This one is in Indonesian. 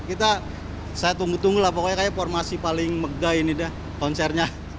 kita saya tunggu tunggu lah pokoknya kayaknya formasi paling megah ini deh konsernya